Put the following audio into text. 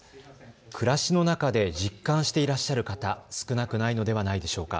暮らしの中で実感していらっしゃる方、少なくないのではないでしょうか。